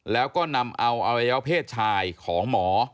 แล้วก็นำเอาอวัยวะเพศชายของหมอ